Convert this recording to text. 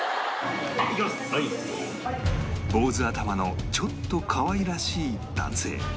坊主頭のちょっとかわいらしい男性